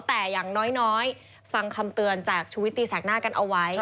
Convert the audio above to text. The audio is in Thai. แต่อย่างน้อยฟังคำเตือนจากชุวิตตีแสกหน้ากันเอาไว้